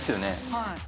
はい。